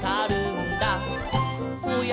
「おや？